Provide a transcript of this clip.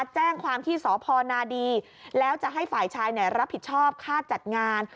แจ้งความที่สพนดีแล้วจะให้ฝ่ายชายรับผิดชอบค่าจัดงาน